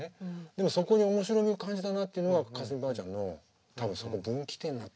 でもそこに面白みを感じたなっていうのは架純ばあちゃんの多分そこ分岐点になったようなかもしれないな。